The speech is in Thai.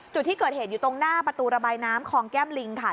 จุดที่เกิดเหตุอยู่ตรงหน้าประตูระบายน้ำคลองแก้มลิงค่ะ